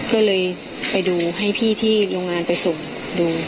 ก็เลยไปดูให้พี่ที่โรงงานไปส่งดู